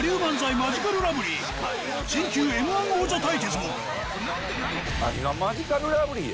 マヂカルラブリー新旧Ｍ−１王者対決も何がマヂカルラブリーや。